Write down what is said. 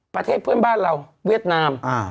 ประเทศเพื่อนบ้านเราเวียดนาม